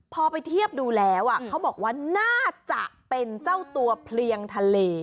พอไปเทียบดูแล้วเขาบอกว่าน่าจะเป็นเจ้าตัวเพลียงทะเล